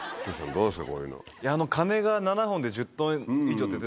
どうですか？